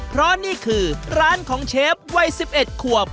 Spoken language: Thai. เพราะนี่คือร้านของเชฟวัย๑๑ขวบ